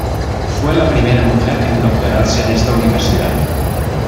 Fue la primera mujer en doctorarse en esta universidad.